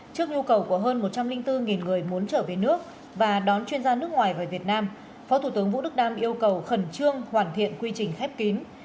trước nhu cầu của hơn một trăm linh bốn người muốn trở về nước và đón chuyên gia nước ngoài về việt nam phó thủ tướng vũ đức đam yêu cầu khẩn trương hoàn thiện quy trình khép kín